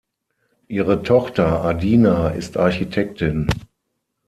Ihre Tochter Adina ist Architektin.